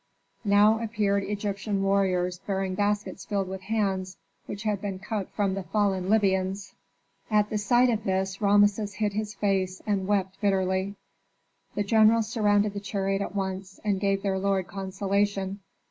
Now appeared Egyptian warriors bearing baskets filled with hands which had been cut from the fallen Libyans. At sight of this Rameses hid his face and wept bitterly. The generals surrounded the chariot at once and gave their lord consolation.